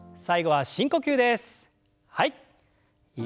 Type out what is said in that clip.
はい。